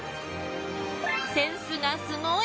センスがすごい！